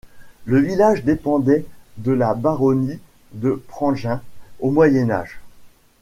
Le village dépendait de la baronnie de Prangins au Moyen Âge.